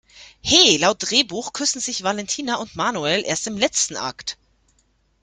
He, laut Drehbuch küssen sich Valentina und Manuel erst im letzten Akt!